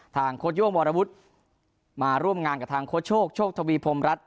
โค้ชโย่งวรวุฒิมาร่วมงานกับทางโค้ชโชคโชคทวีพรมรัฐ